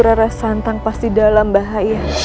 rasa santang pasti dalam bahaya